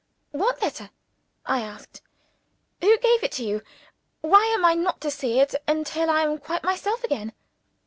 "What letter?" I asked. "Who gave it to you? Why am I not to see it until I am quite myself again?"